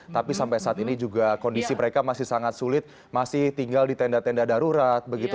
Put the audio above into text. tapi sampai saat ini juga kondisi mereka masih sangat sulit masih tinggal di tenda tenda darurat begitu